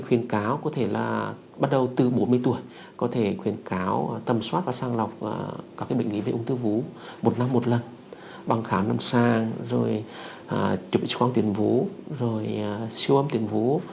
khuyến cáo có thể là bắt đầu từ bốn mươi tuổi có thể khuyến cáo tầm soát và sang lọc các bệnh lý về ung thư vú một năm một lần bằng khám năm sang rồi chuẩn bị sức khỏe tuyển vú rồi siêu âm tuyển vú